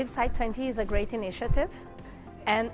saya percaya sai dua puluh adalah inisiatif yang bagus